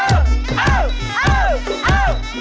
เอาล่ะ